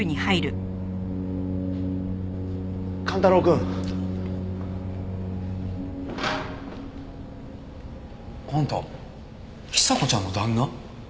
寛太郎くん。あんた久子ちゃんの旦那？